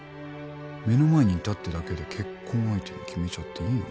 目の前にいたってだけで結婚相手に決めちゃっていいの？